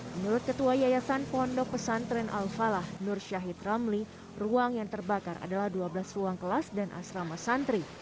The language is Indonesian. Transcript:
menurut ketua yayasan pondok pesantren al falah nur syahid ramli ruang yang terbakar adalah dua belas ruang kelas dan asrama santri